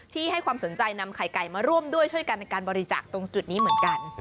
ให้ความสนใจนำไข่ไก่มาร่วมด้วยช่วยกันในการบริจาคตรงจุดนี้เหมือนกัน